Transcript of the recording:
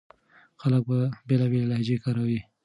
خلک به بېلابېلې لهجې کارولې.